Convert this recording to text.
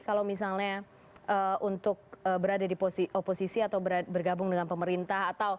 kalau misalnya untuk berada di oposisi atau bergabung dengan pemerintah